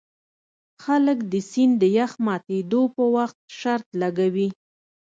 خلک د سیند د یخ ماتیدو په وخت شرط لګوي